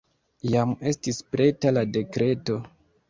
Jam estis preta la dekreto.